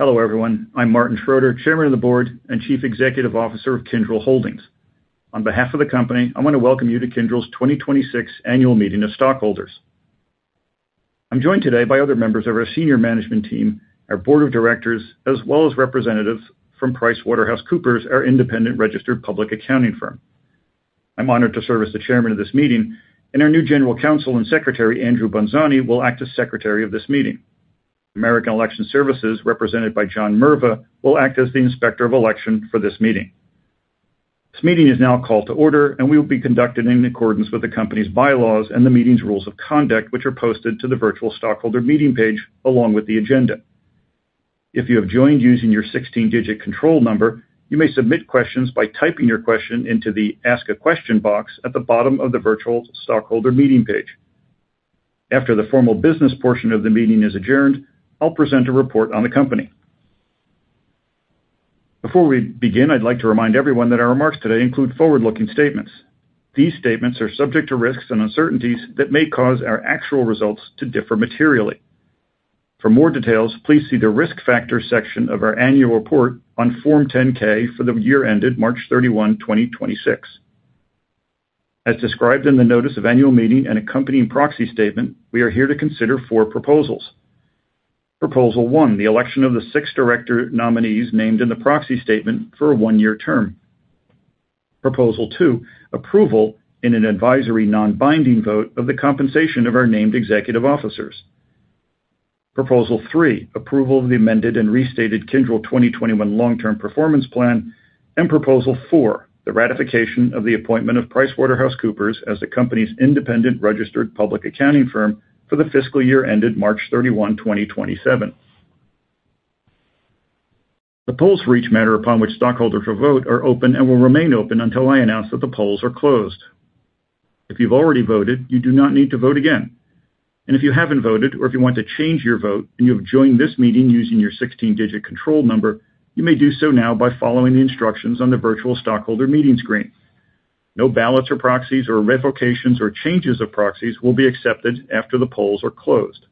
Hello, everyone. I'm Martin Schroeter, Chairman of the Board and Chief Executive Officer of Kyndryl Holdings. On behalf of the company, I want to welcome you to Kyndryl's 2026 Annual Meeting of Stockholders. I'm joined today by other members of our senior management team, our board of directors, as well as representatives from PricewaterhouseCoopers, our independent registered public accounting firm. I'm honored to serve as the Chairman of this meeting, and our new General Counsel and Secretary, Andrew Bonzani, will act as Secretary of this meeting. American Election Services, represented by John Mirva, will act as the Inspector of Election for this meeting. This meeting is now called to order and will be conducted in accordance with the company's bylaws and the meeting's rules of conduct, which are posted to the virtual stockholder meeting page along with the agenda. If you have joined using your 16-digit control number, you may submit questions by typing your question into the Ask a Question box at the bottom of the virtual stockholder meeting page. After the formal business portion of the meeting is adjourned, I'll present a report on the company. Before we begin, I'd like to remind everyone that our remarks today include forward-looking statements. These statements are subject to risks and uncertainties that may cause our actual results to differ materially. For more details, please see the Risk Factors section of our annual report on Form 10-K for the year ended March 31, 2026. As described in the notice of annual meeting and accompanying proxy statement, we are here to consider four proposals. Proposal one, the election of the six director nominees named in the proxy statement for a one-year term. Proposal two, approval in an advisory non-binding vote of the compensation of our named executive officers. Proposal three, approval of the amended and restated Kyndryl 2021 Long-Term Performance Plan. Proposal four, the ratification of the appointment of PricewaterhouseCoopers as the company's independent registered public accounting firm for the fiscal year ended March 31, 2027. The polls for each matter upon which stockholders will vote are open and will remain open until I announce that the polls are closed. If you've already voted, you do not need to vote again. If you haven't voted or if you want to change your vote and you have joined this meeting using your 16-digit control number, you may do so now by following the instructions on the virtual stockholder meeting screen. No ballots or proxies or revocations or changes of proxies will be accepted after the polls are closed.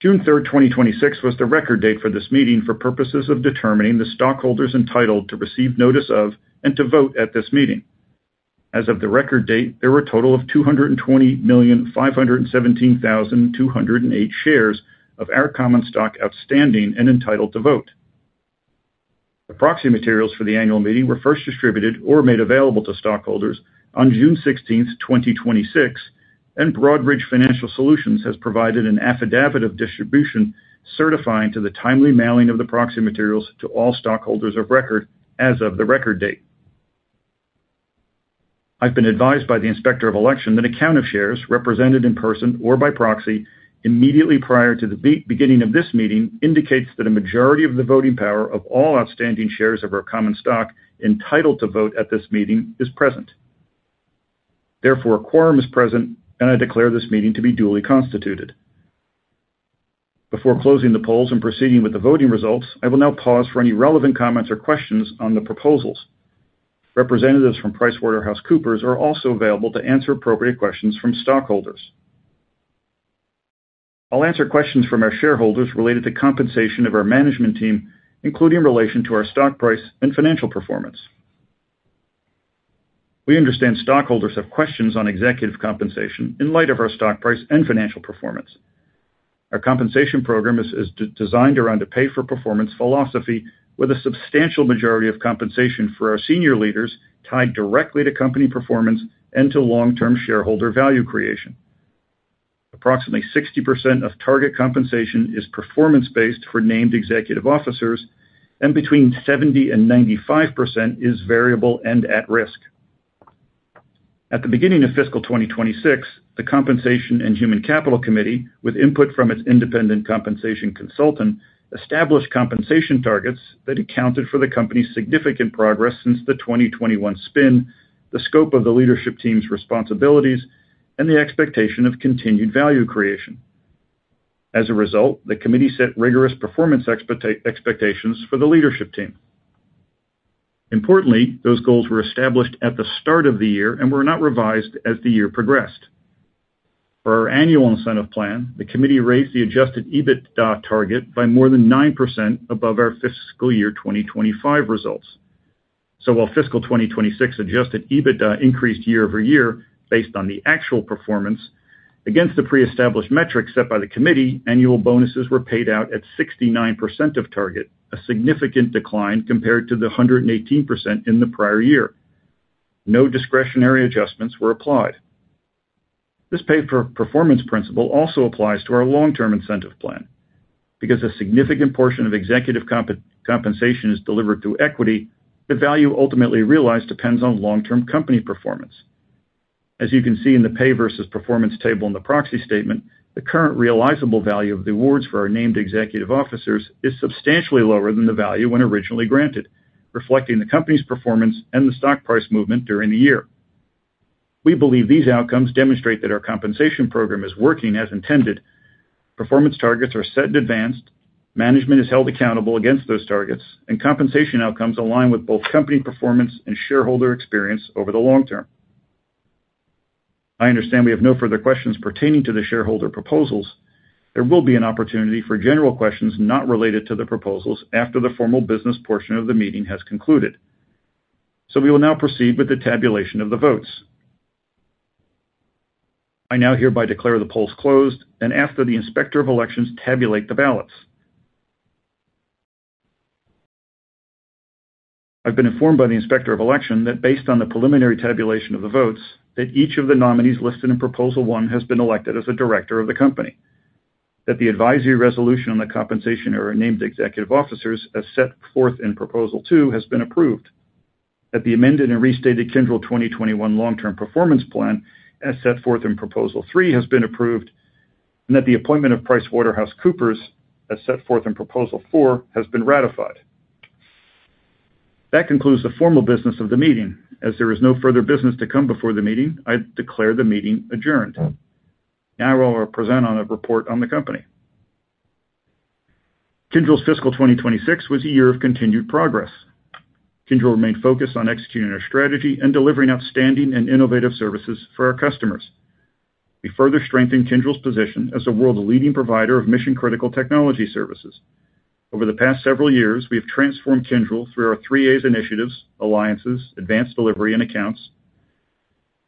June 3rd, 2026, was the record date for this meeting for purposes of determining the stockholders entitled to receive notice of and to vote at this meeting. As of the record date, there were a total of 220,517,208 shares of our common stock outstanding and entitled to vote. The proxy materials for the annual meeting were first distributed or made available to stockholders on June 16th, 2026, and Broadridge Financial Solutions has provided an affidavit of distribution certifying to the timely mailing of the proxy materials to all stockholders of record as of the record date. I've been advised by the Inspector of Election that a count of shares, represented in person or by proxy, immediately prior to the beginning of this meeting indicates that a majority of the voting power of all outstanding shares of our common stock entitled to vote at this meeting is present. Therefore, a quorum is present, and I declare this meeting to be duly constituted. Before closing the polls and proceeding with the voting results, I will now pause for any relevant comments or questions on the proposals. Representatives from PricewaterhouseCoopers are also available to answer appropriate questions from stockholders. I'll answer questions from our shareholders related to compensation of our management team, including relation to our stock price and financial performance. We understand stockholders have questions on executive compensation in light of our stock price and financial performance. Our compensation program is designed around a pay-for-performance philosophy with a substantial majority of compensation for our senior leaders tied directly to company performance and to long-term shareholder value creation. Approximately 60% of target compensation is performance-based for named executive officers, and between 70% and 95% is variable and at risk. At the beginning of fiscal 2026, the Compensation and Human Capital Committee, with input from its independent compensation consultant, established compensation targets that accounted for the company's significant progress since the 2021 spin, the scope of the leadership team's responsibilities, and the expectation of continued value creation. The committee set rigorous performance expectations for the leadership team. Importantly, those goals were established at the start of the year and were not revised as the year progressed. For our annual incentive plan, the committee raised the adjusted EBITDA target by more than 9% above our fiscal year 2025 results. While fiscal 2026 adjusted EBITDA increased year-over-year based on the actual performance, against the pre-established metrics set by the committee, annual bonuses were paid out at 69% of target, a significant decline compared to the 118% in the prior year. No discretionary adjustments were applied. This pay-for-performance principle also applies to our long-term incentive plan. Because a significant portion of executive compensation is delivered through equity, the value ultimately realized depends on long-term company performance. You can see in the pay versus performance table in the proxy statement, the current realizable value of the awards for our named executive officers is substantially lower than the value when originally granted, reflecting the company's performance and the stock price movement during the year. We believe these outcomes demonstrate that our compensation program is working as intended. Performance targets are set in advance, management is held accountable against those targets, and compensation outcomes align with both company performance and shareholder experience over the long term. I understand we have no further questions pertaining to the shareholder proposals. There will be an opportunity for general questions not related to the proposals after the formal business portion of the meeting has concluded. We will now proceed with the tabulation of the votes. I now hereby declare the polls closed, and after the Inspector of Elections tabulate the ballots. I've been informed by the Inspector of Election that based on the preliminary tabulation of the votes, that each of the nominees listed in Proposal one has been elected as a director of the company, that the advisory resolution on the compensation or named executive officers as set forth in Proposal two has been approved, that the amended and restated Kyndryl 2021 Long-Term Performance Plan, as set forth in Proposal three has been approved, and that the appointment of PricewaterhouseCoopers, as set forth in Proposal four, has been ratified. That concludes the formal business of the meeting. As there is no further business to come before the meeting, I declare the meeting adjourned. Now I will present on a report on the company. Kyndryl's fiscal 2026 was a year of continued progress. Kyndryl remained focused on executing our strategy and delivering outstanding and innovative services for our customers. We further strengthened Kyndryl's position as a world-leading provider of mission-critical technology services. Over the past several years, we've transformed Kyndryl through our three As initiatives, Alliances, Advanced Delivery, and Accounts.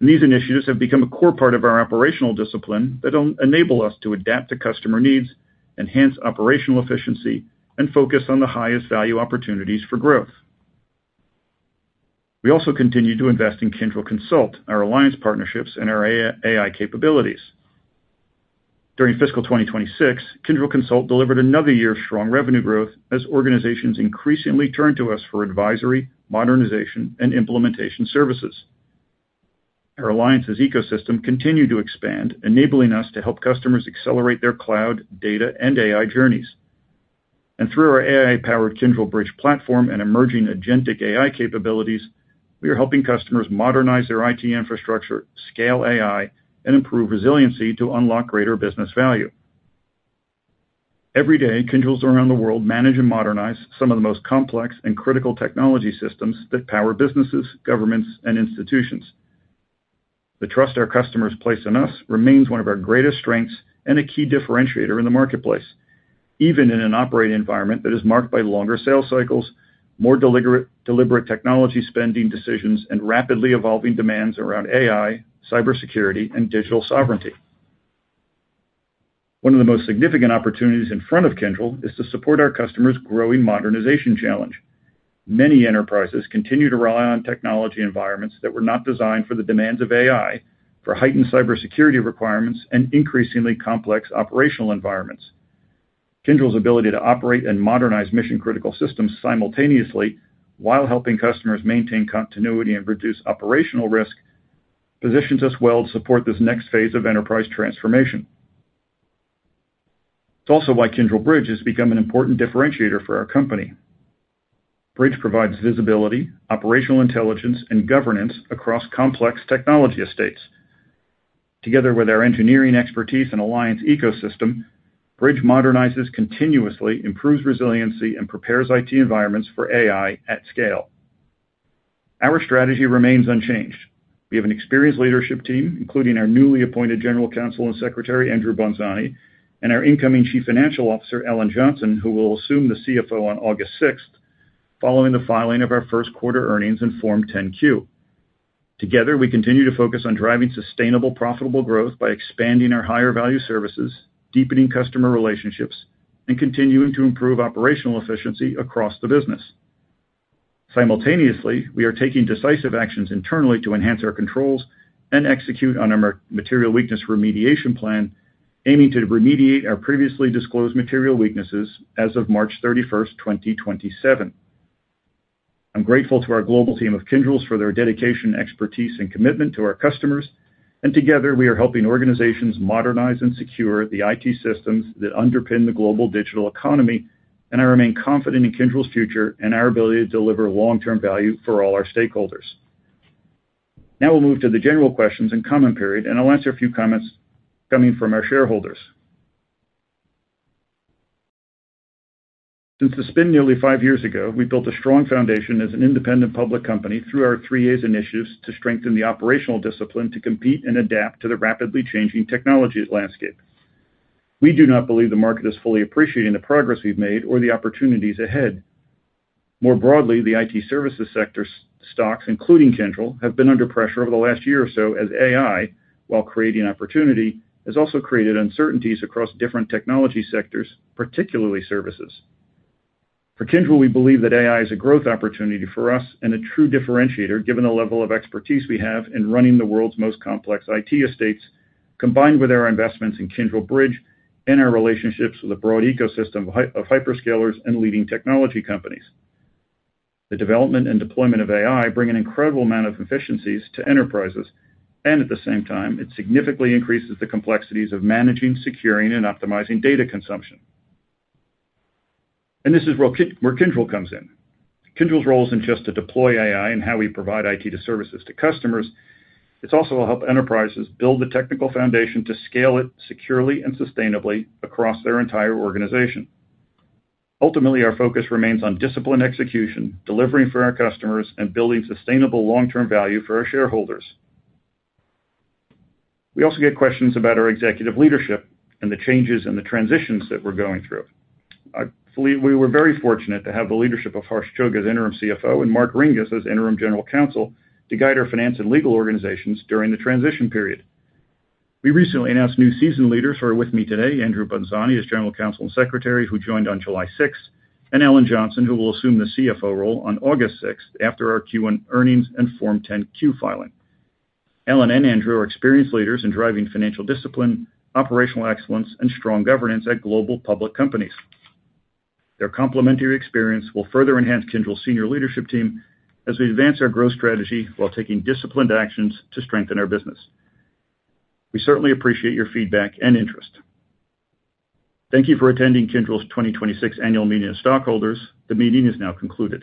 These initiatives have become a core part of our operational discipline that enable us to adapt to customer needs, enhance operational efficiency, and focus on the highest value opportunities for growth. We also continue to invest in Kyndryl Consult, our Alliances partnerships, and our AI capabilities. During fiscal 2026, Kyndryl Consult delivered another year of strong revenue growth as organizations increasingly turn to us for advisory, modernization, and implementation services. Our Alliances ecosystem continue to expand, enabling us to help customers accelerate their cloud, data, and AI journeys. Through our AI-powered Kyndryl Bridge platform and emerging agentic AI capabilities, we are helping customers modernize their IT infrastructure, scale AI, and improve resiliency to unlock greater business value. Every day, Kyndryls around the world manage and modernize some of the most complex and critical technology systems that power businesses, governments, and institutions. The trust our customers place in us remains one of our greatest strengths and a key differentiator in the marketplace, even in an operating environment that is marked by longer sales cycles, more deliberate technology spending decisions, and rapidly evolving demands around AI, cybersecurity, and digital sovereignty. One of the most significant opportunities in front of Kyndryl is to support our customers' growing modernization challenge. Many enterprises continue to rely on technology environments that were not designed for the demands of AI, for heightened cybersecurity requirements, and increasingly complex operational environments. Kyndryl's ability to operate and modernize mission-critical systems simultaneously while helping customers maintain continuity and reduce operational risk positions us well to support this next phase of enterprise transformation. It's also why Kyndryl Bridge has become an important differentiator for our company. Bridge provides visibility, operational intelligence, and governance across complex technology estates. Together with our engineering expertise and Alliances ecosystem, Bridge modernizes continuously, improves resiliency, and prepares IT environments for AI at scale. Our strategy remains unchanged. We have an experienced leadership team, including our newly appointed General Counsel and Secretary, Andrew Bonzani, and our incoming Chief Financial Officer, Ellen Johnson, who will assume the CFO on August 6th, following the filing of our first quarter earnings in Form 10-Q. Together, we continue to focus on driving sustainable, profitable growth by expanding our higher value services, deepening customer relationships, and continuing to improve operational efficiency across the business. Simultaneously, we are taking decisive actions internally to enhance our controls and execute on our material weakness remediation plan, aiming to remediate our previously disclosed material weaknesses as of March 31st, 2027. I'm grateful to our global team of Kyndryls for their dedication, expertise, and commitment to our customers. Together, we are helping organizations modernize and secure the IT systems that underpin the global digital economy. I remain confident in Kyndryl's future and our ability to deliver long-term value for all our stakeholders. Now we'll move to the general questions and comment period. I'll answer a few comments coming from our shareholders. Since the spin nearly five years ago, we built a strong foundation as an independent public company through our three As initiatives to strengthen the operational discipline to compete and adapt to the rapidly changing technology landscape. We do not believe the market is fully appreciating the progress we've made or the opportunities ahead. More broadly, the IT services sector stocks, including Kyndryl, have been under pressure over the last year or so as AI, while creating opportunity, has also created uncertainties across different technology sectors, particularly services. For Kyndryl, we believe that AI is a growth opportunity for us and a true differentiator given the level of expertise we have in running the world's most complex IT estates, combined with our investments in Kyndryl Bridge and our relationships with a broad ecosystem of hyperscalers and leading technology companies. The development and deployment of AI bring an incredible amount of efficiencies to enterprises. At the same time, it significantly increases the complexities of managing, securing, and optimizing data consumption. This is where Kyndryl comes in. Kyndryl's role isn't just to deploy AI and how we provide IT to services to customers. It's also to help enterprises build the technical foundation to scale it securely and sustainably across their entire organization. Ultimately, our focus remains on disciplined execution, delivering for our customers, and building sustainable long-term value for our shareholders. We also get questions about our executive leadership and the changes and the transitions that we're going through. I believe we were very fortunate to have the leadership of Harsh Chugh as interim CFO and Mark Ringes as interim General Counsel to guide our finance and legal organizations during the transition period. We recently announced new seasoned leaders who are with me today, Andrew Bonzani as General Counsel and Secretary, who joined on July 6th, and Ellen Johnson, who will assume the CFO role on August 6th after our Q1 earnings and Form 10-Q filing. Ellen and Andrew are experienced leaders in driving financial discipline, operational excellence, and strong governance at global public companies. Their complementary experience will further enhance Kyndryl's senior leadership team as we advance our growth strategy while taking disciplined actions to strengthen our business. We certainly appreciate your feedback and interest. Thank you for attending Kyndryl's 2026 Annual Meeting of Stockholders. The meeting is now concluded.